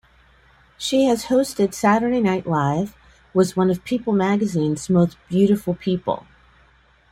She has hosted "Saturday Night Live", was one of "People Magazine"'s most beautiful people.